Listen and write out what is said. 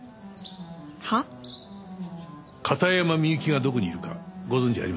は？片山みゆきがどこにいるかご存じありませんか？